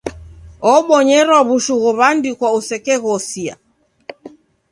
Obonyerwa w'ushu ghow'andikwa usekeghosia.